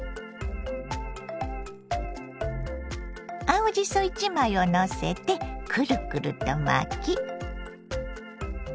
青じそ１枚をのせてクルクルと巻き。